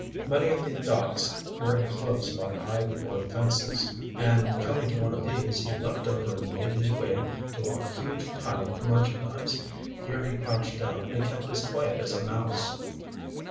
Many of the docks were inclosed by high board fences, and coming to one of these, he leaped over and made his way to a huge pile of merchandise. Here he crouched down and kept as quiet as a mouse.